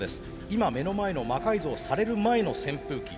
今目の前の魔改造される前の扇風機。